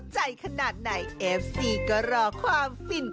ขนาดไหนเอฟซีก็รอความฟิน